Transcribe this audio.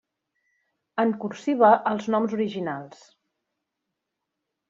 En cursiva els noms originals.